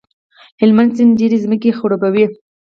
هلمند سیند ډېرې ځمکې خړوبوي.